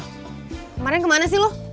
kemarin kemana sih lu